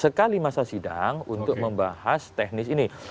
sekali masa sidang untuk membahas teknis ini